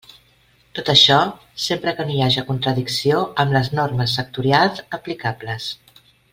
Tot això, sempre que no hi haja contradicció amb les normes sectorials aplicables.